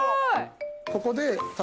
ここで。